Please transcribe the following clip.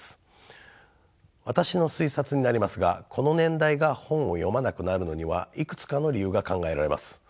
私の推察になりますがこの年代が本を読まなくなるのにはいくつかの理由が考えられます。